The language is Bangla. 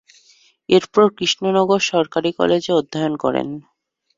এরপর কৃষ্ণনগর সরকারি কলেজে অধ্যয়ন করেন।